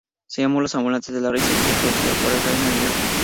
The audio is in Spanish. Se llamó "Los ambulantes de la risa" y fue producida por Efraín Aguilar.